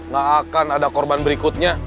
gak akan ada korban berikutnya